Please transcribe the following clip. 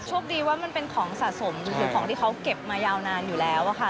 โชคดีว่ามันเป็นของสะสมหรือของที่เขาเก็บมายาวนานอยู่แล้วค่ะ